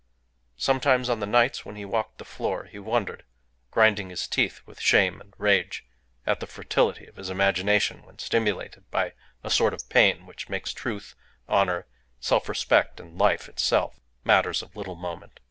Sometimes on the nights when he walked the floor, he wondered, grinding his teeth with shame and rage, at the fertility of his imagination when stimulated by a sort of pain which makes truth, honour, selfrespect, and life itself matters of little moment.